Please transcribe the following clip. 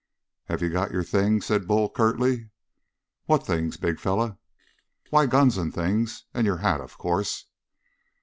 "Have you got your things?" said Bull curtly. "What things, big fellow?" "Why, guns and things and your hat, of course."